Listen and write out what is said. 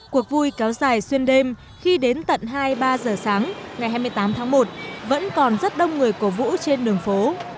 cuộc vui kéo dài xuyên đêm khi đến tận hai ba giờ sáng ngày hai mươi tám tháng một vẫn còn rất đông người cổ vũ trên đường phố